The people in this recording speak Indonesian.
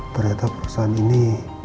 ternyata perusahaan ini